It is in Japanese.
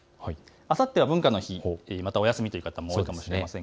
あさっては文化の日、お休みという方もいらっしゃるかもしれません。